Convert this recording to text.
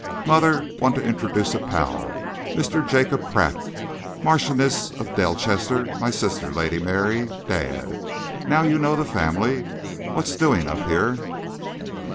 "Mother, want to introduce a pal Mr. Jacob Pratt Marchioness of Delchester my sister, Lady Mary dad. Now you know the family. What's doing up here?"